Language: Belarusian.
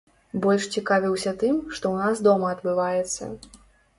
Больш цікавіўся тым, што ў нас дома адбываецца.